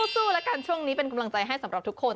สู้แล้วกันช่วงนี้เป็นกำลังใจให้สำหรับทุกคน